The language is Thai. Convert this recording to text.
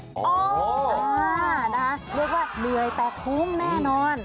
เรียกว่าเหนื่อยแต่โค้งแน่นอน